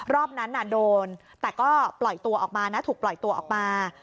รอบนั้นโดนแต่ก็ถูกปล่อยตัวออกมา